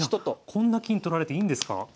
こんな金取られていいんですか？